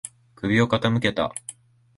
首を傾けた。